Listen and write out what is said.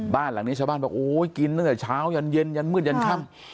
บ้านหลังนี้ชาวบ้านบอกโอ้ยกินตั้งแต่เช้ายันเย็นยันมืดยันค่ำ